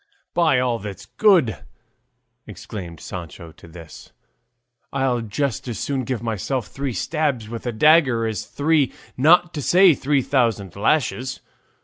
"By all that's good," exclaimed Sancho at this, "I'll just as soon give myself three stabs with a dagger as three, not to say three thousand, lashes.